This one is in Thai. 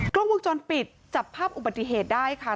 กล้องวงจรปิดจับภาพอุบัติเหตุได้ค่ะ